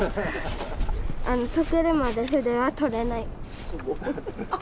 とけるまで筆は取れない。